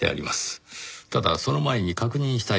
ただその前に確認したい事が。